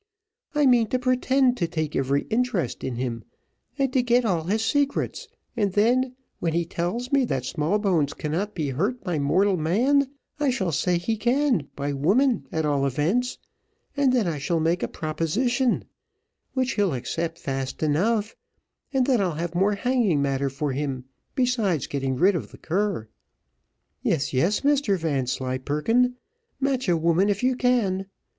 I mean to pretend to take every interest in him, and to get all his secrets, and then, when he tells me that Smallbones cannot be hurt by mortal man, I shall say he can by woman, at all events; and then I shall make a proposition, which he'll accept fast enough, and then I'll have more hanging matter for him, besides getting rid of the cur. Yes, yes, Mr Vanslyperken, match a woman if you can.